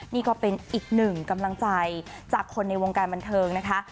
นี่ก็เป็นอีกหนึ่งกำลังใจจากคนในวงการบันเทิงนะคะ